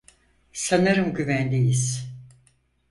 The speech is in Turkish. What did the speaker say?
Sanırım güvendeyiz.